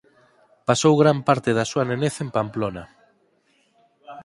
Pasou gran parte da súa nenez en Pamplona.